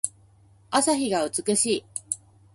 朝日が美しい。